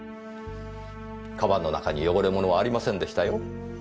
鞄の中に汚れ物はありませんでしたよ。